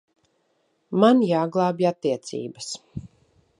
Man jāglābj attiecības.